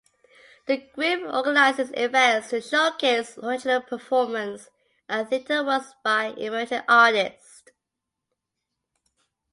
The group organizes events to showcase original performance and theatre works by emerging artists.